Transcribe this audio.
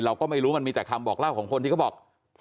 เราก็ไม่รู้มันมีแต่คำบอกเล่าของคนที่เขาบอก